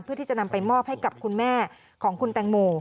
เพื่อที่จะนำไปมอบให้กับคุณแม่ของคุณแตงโม